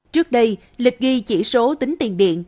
trước đây lịch ghi chỉ số tính tiền điện